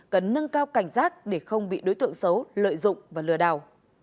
cần nâng cao cảnh giác để không bị đối tượng xấu lợi dụng và lừa đảo